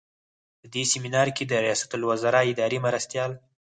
په دې سمینار کې د ریاستالوزراء اداري مرستیال.